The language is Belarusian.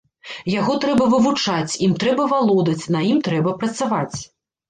Яго трэба вывучаць, ім трэба валодаць, на ім трэба працаваць.